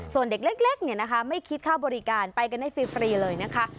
ส่วนเด็กเล็กไม่คิดค่าบริการไปกันให้ฟรีเลยนะคะ